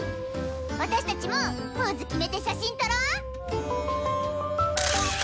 私たちもポーズ決めて写真撮ろう！